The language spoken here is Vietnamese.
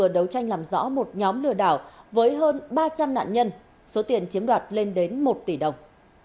đấu tranh làm rõ một nhóm lừa đảo với hơn ba trăm linh nạn nhân số tiền chiếm đoạt lên đến một tỷ đồng